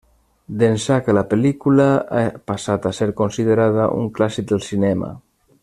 D'ençà que la pel·lícula ha passat a ser considerada un clàssic del cinema.